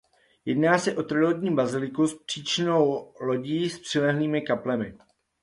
Jedná se na trojlodní baziliku s příčnou lodí s přilehlými kaplemi.